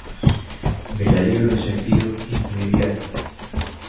Velaí o desafío inmediato.